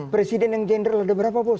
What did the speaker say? presiden yang general ada berapa bos